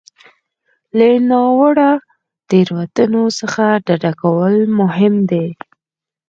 له ناوړه تېروتنو څخه ډډه کول مهم دي.